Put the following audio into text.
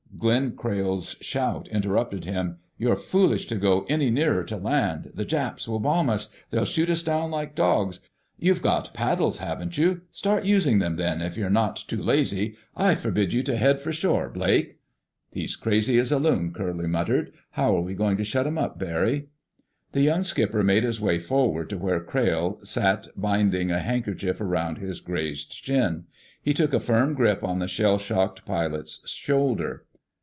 Glenn Crayle's shout interrupted him. "You're foolish to go any nearer to land. The Japs will bomb us. They'll shoot us down like dogs. You've got paddles, haven't you? Start using them, then, if you're not too lazy! I forbid you to head for shore, Blake!" "He's crazy as a loon," Curly muttered. "How are we going to shut him up, Barry?" The young skipper made his way forward to where Crayle sat binding a handkerchief around his grazed shin. He took a firm grip on the shell shocked pilot's shoulder.